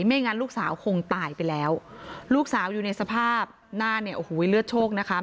ไม่งั้นลูกสาวคงตายไปแล้วลูกสาวอยู่ในสภาพหน้าเนี่ยโอ้โหเลือดโชคนะคะ